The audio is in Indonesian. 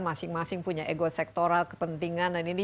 masing masing punya ego sektoral kepentingan dan ini